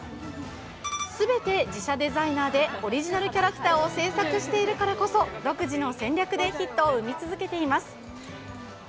全て自社デザイナーでオリジナルキャラクターを制作しているからこそ、独自の戦略でヒットを生み続けています。